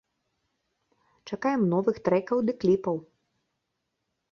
Чакаем новых трэкаў ды кліпаў!